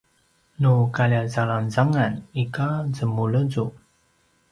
nu kaljazalangezangan ika zemulezul